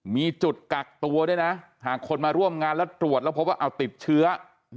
มีจุดกักตัวด้วยนะหากคนมาร่วมงานแล้วตรวจแล้วพบว่าเอาติดเชื้อ